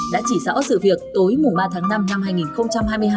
đã chỉ rõ sự việc tối mùng ba tháng năm năm hai nghìn hai mươi hai